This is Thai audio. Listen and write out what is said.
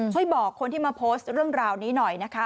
ช่วยบอกคนที่มาโพสต์เรื่องราวนี้หน่อยนะคะ